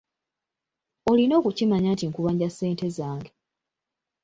Olina okukimanya nti nkubanja ssente zange.